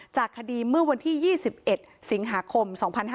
จากคดีเมื่อวันที่๒๑สิงหาคม๒๕๕๙